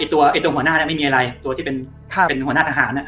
แต่ตัวหัวหน้าที่เป็นหัวหน้าทหารนั้น